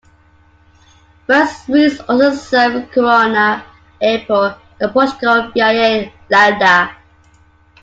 Bus routes also serve Girona Airport and Portugal via Lleida.